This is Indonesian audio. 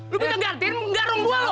lu bisa gantiin garung dua lu